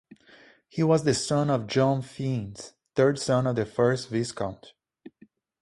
He was the son of John Fiennes, third son of the first Viscount.